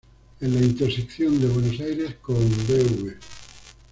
En la intersección de Buenos Aires con Bv.